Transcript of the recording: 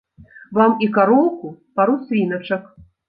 Вам і кароўку, пару свіначак.